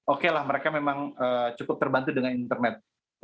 oke lah mereka memang cukup terbantu dengan internet